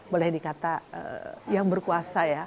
boleh dikata yang berkuasa ya